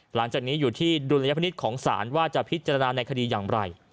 หลังจากนี้อยู่ที่ดุลยพินิษฐ์ของศาลว่าจะพิจารณาในคดีอย่างไร